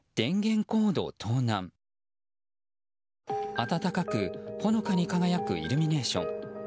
温かくほのかに輝くイルミネーション。